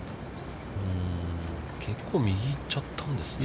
結構、右に行っちゃったんですね。